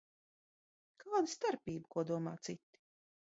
Kāda starpība, ko domā citi?